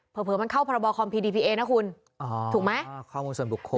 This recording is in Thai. เผลอเผลอมันเข้าพระบอคอมพีดีพีเอนะคุณอ๋อถูกไหมอ่าเข้าวงส่วนบุคคล